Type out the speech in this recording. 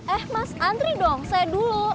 eh mas antri dong saya dulu